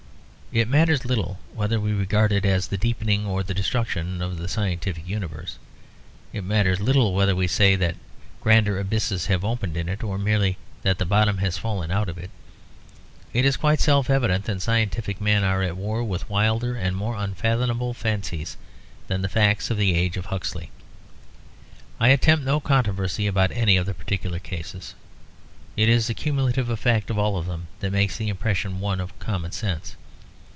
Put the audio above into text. It matters little whether we regard it as the deepening or the destruction of the scientific universe. It matters little whether we say that grander abysses have opened in it, or merely that the bottom has fallen out of it. It is quite self evident that scientific men are at war with wilder and more unfathomable fancies than the facts of the age of Huxley. I attempt no controversy about any of the particular cases: it is the cumulative effect of all of them that makes the impression one of common sense.